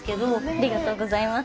ありがとうございます。